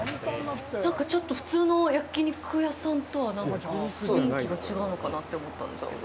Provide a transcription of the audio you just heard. ちょっと普通の焼き肉屋さんとは雰囲気が違うのかなって思ったんですけど。